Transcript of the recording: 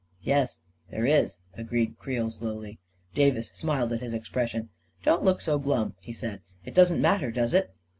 11 Yes, there is," agreed Creel slowly. Davis smiled at his expression. 44 Don't look so glum," he said. " It doesn't matter, does it